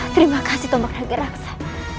terima kasih tombak rakyat raksa